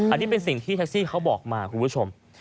อันนี้เป็นสิ่งที่แท็กซี่เขาบอกมาคุณผู้ชม